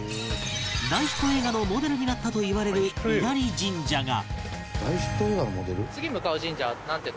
大ヒット映画のモデルになったといわれる稲荷神社がになっている